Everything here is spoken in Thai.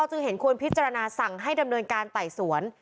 จึงเห็นควรพิจารณาสั่งให้ดำเนินการไต่สวน